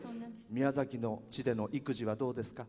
宮崎の地での育児はどうですか？